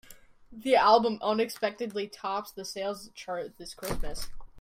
The album unexpectedly tops the sales chart this Christmas.